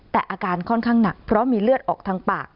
แต่อาการค่อนข้างหนักเพราะมีเลือดออกทางปาก